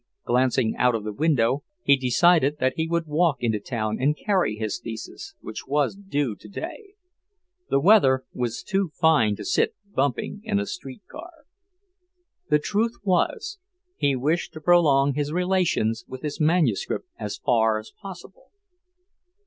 Glancing out of the window, he decided that he would walk into town and carry his thesis, which was due today; the weather was too fine to sit bumping in a street car. The truth was, he wished to prolong his relations with his manuscript as far as possible.